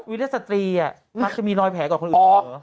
วิทยาศตรีมักจะมีรอยแผลกว่าคนอื่น